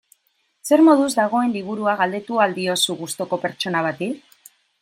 Zer moduz dagoen liburua galdetu ahal diozu gustuko pertsona bati.